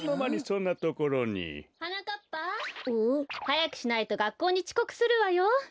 はやくしないとがっこうにちこくするわよ。